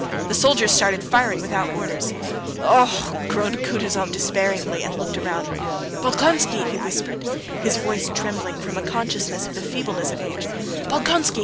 The soldiers started firing without orders. "Oh! Oh! Oh!" groaned Kutúzov despairingly and looked around.... "Bolkónski!" he whispered, his voice trembling from a consciousness of the feebleness of age, "Bolkónski!"